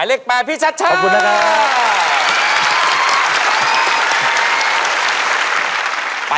เอามา